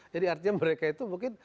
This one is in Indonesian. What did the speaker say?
jadi artinya mereka itu mungkin